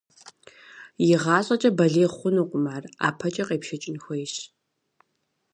Игъащӏэкӏэ балигъ хъунукъым ар, ӀэпэкӀэ къепшэкӀын хуейщ.